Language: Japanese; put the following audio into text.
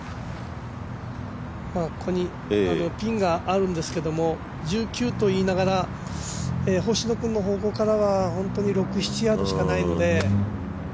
ピンがあるんですけども１９といいながら星野君の方向からは本当に６７ヤードしかないので。